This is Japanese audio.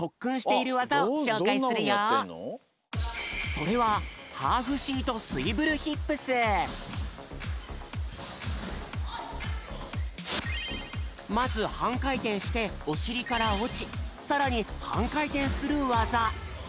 それはまずはんかいてんしておしりからおちさらにはんかいてんするわざ。